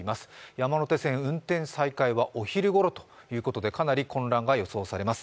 山手線運転再開はお昼ごろということでかなり混乱が予想されます。